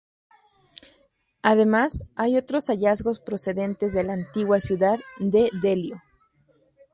Además, hay otros hallazgos procedentes de la antigua ciudad de Delio.